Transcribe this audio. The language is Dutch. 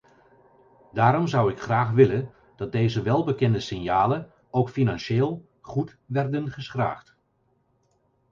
Daarom zou ik graag willen dat deze welbekende signalen ook financieel goed werden geschraagd.